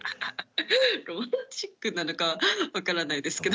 ロマンチックなのかは分からないですけど。